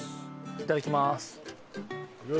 いただきます。